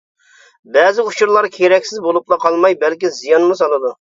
بەزى ئۇچۇرلار كېرەكسىز بولۇپلا قالماي، بەلكى زىيانمۇ سالىدۇ.